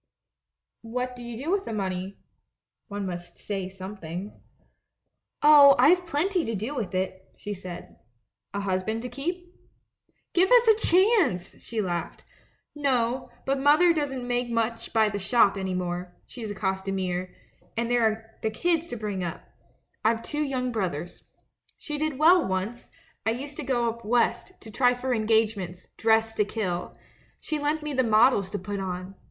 " 'What do you do with so much money?' One must say something. " 'Oh, I've plenty to do with it,' she said. " 'A husband to keep?' A LETTER TO THE DUCHESS 187 "'Give us a chance!' she laughed. *No, but mother doesn't make much by the shop any more — she's a costumier — and there are the kids to bring up — I've two young brothers. She did well once; I used to go up West, to try for engage ments, dressed to kill — she lent me the models to put on.